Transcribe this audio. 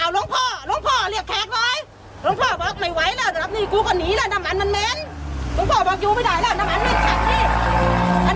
ไบ้ก้อนเล้วยมไปก่อนเรานามันเม้น